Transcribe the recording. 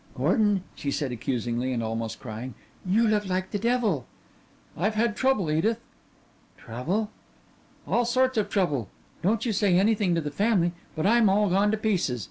"Gordon," she said accusingly and almost crying, "you look like the devil." He nodded, "I've had trouble, Edith." "Trouble?" "All sorts of trouble. Don't you say anything to the family, but I'm all gone to pieces.